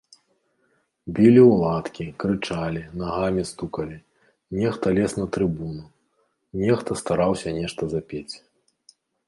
Білі ў ладкі, крычалі, нагамі стукалі, нехта лез на трыбуну, нехта стараўся нешта запець.